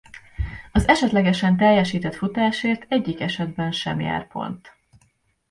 Az esetlegesen teljesített futásért egyik esetben sem jár pont.